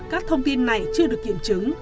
các thông tin này chưa được kiểm chứng